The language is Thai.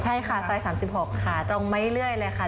ใช่ค่ะซอย๓๖ค่ะตรงไม่เรื่อยเลยค่ะ